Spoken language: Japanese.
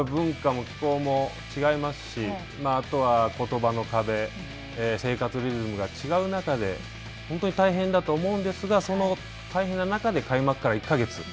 違いますし、あとはことばの壁、生活リズムが違う中で本当に大変だと思うんですが、その大変な中で開幕から１か月。